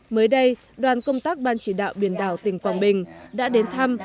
mới đây đoàn công tác ban chỉ đạo biển đảo tỉnh quảng bình đã đến thăm